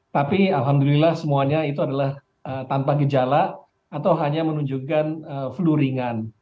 tapi alhamdulillah semuanya itu adalah tanpa gejala atau hanya menunjukkan flu ringan